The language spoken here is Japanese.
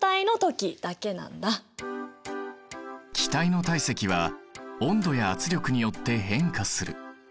気体の体積は温度や圧力によって変化する。